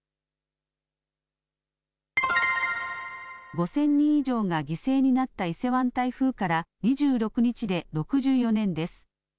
５０００人以上が犠牲になった伊勢湾台風から２６日で６４年です。